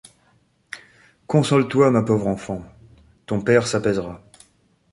Console-toi, ma pauvre enfant, ton père s’apaisera.